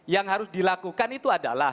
yang harus dilakukan itu adalah